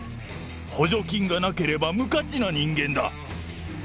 補助金がなければ無価値な人間だ。